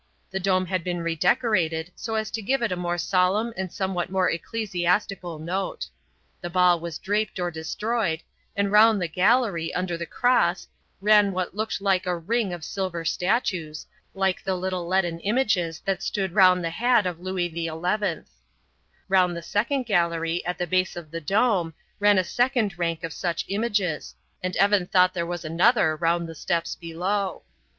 The dome had been redecorated so as to give it a more solemn and somewhat more ecclesiastical note; the ball was draped or destroyed, and round the gallery, under the cross, ran what looked like a ring of silver statues, like the little leaden images that stood round the hat of Louis XI. Round the second gallery, at the base of the dome, ran a second rank of such images, and Evan thought there was another round the steps below.